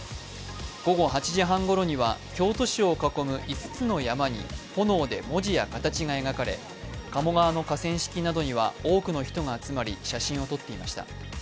午後８時半ごろには京都市を囲む５つの山に炎で文字や形が描かれ、鴨川の河川敷などには多くの人が集まり、写真を撮っていました。